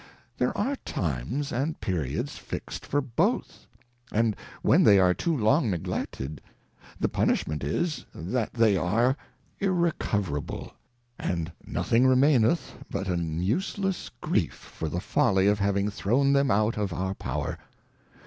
There are Times and Periods fix^d for both ; and when they are too long neglected, the Punishment is, that they are Irrecoverable, and nothing remain eth but an useless Grief for the Folly of having thrown them out of our power.